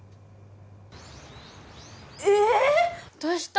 えっどうした？